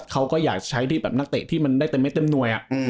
เขาก็อยากใช้ที่นักเตะที่มันได้เต็มหน่วย